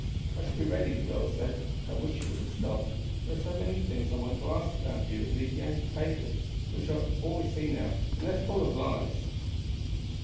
"I shall be ready," the girl said; "but I wish you would have stopped, there are so many things I want to ask you about, and these Yankee papers, which are all we see now, are full of lies."